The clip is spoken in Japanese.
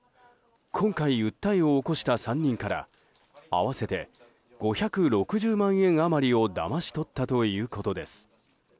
今回訴えを起こした３人から合わせて５６０万円余りをだまし取ったということです。